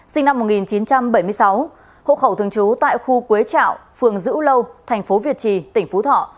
sinh năm một nghìn chín trăm bảy mươi sáu hộ khẩu thường trú tại khu quế trạo phường dữ lâu thành phố việt trì tỉnh phú thọ